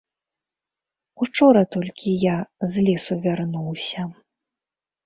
Учора толькі я з лесу вярнуўся.